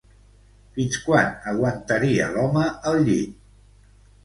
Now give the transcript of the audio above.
Fins quan aguantaria l'home al llit?